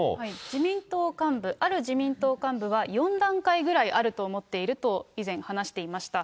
自民党幹部、ある自民党幹部は４段階くらいあると思っていると以前話していました。